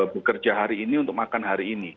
bekerja hari ini untuk makan hari ini